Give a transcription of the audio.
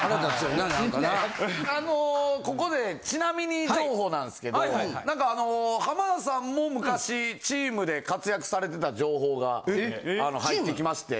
あのここでちなみに情報なんですけどなんか浜田さんも昔チームで活躍されてた情報が入ってきまして。